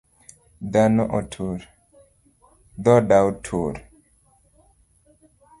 Dhoda otur